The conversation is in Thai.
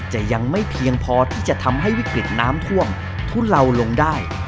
จะยังไม่เพียงพอที่จะทำให้วิกฤตน้ำท่วมทุเลาลงได้